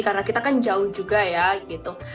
karena kita kan jauh juga ya gitu